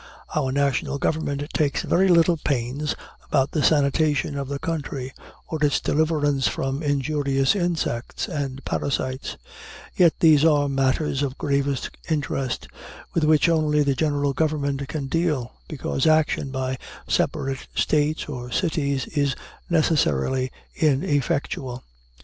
Our national government takes very little pains about the sanitation of the country, or its deliverance from injurious insects and parasites; yet these are matters of gravest interest, with which only the general government can deal, because action by separate States or cities is necessarily ineffectual.